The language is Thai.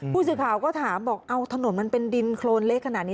ผู้สื่อข่าวก็ถามบอกเอาถนนมันเป็นดินโครนเละขนาดนี้